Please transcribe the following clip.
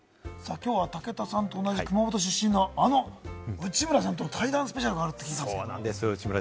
きょうは武田さんと同じ熊本出身の、あの内村さんと対談スペシャルがあるって聞いたんですけれども。